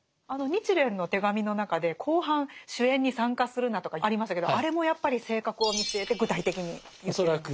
あの「日蓮の手紙」の中で後半「酒宴に参加するな」とかありましたけどあれもやっぱり性格を見据えて具体的に言っているんですか？